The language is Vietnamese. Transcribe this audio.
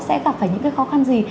sẽ gặp phải những cái khó khăn gì